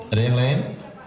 ada yang lain